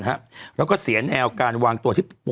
แล้วก็เสียแนวการวางตัวที่